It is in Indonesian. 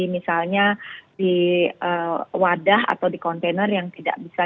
misalnya di wadah atau di kontainer yang tidak bisa